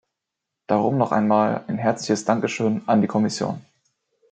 Darum noch einmal ein herzliches Dankeschön an die Kommission.